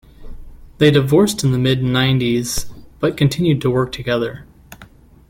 They divorced in the mid-nineties but continued to work together.